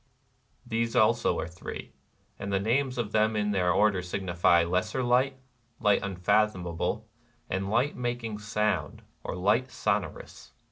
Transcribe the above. These also are three ; and the names of them in their order signify, Lesser Light, Light Unfathom able, and Light Making Sound, or, Light So norous.